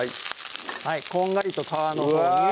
こんがりと皮のほうにうわ！